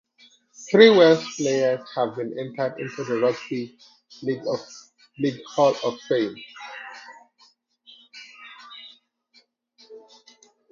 Three Welsh players have been entered into the Rugby League Hall Of Fame.